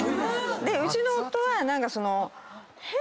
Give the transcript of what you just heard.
うちの夫は何かその。